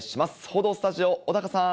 報道スタジオ、小高さん。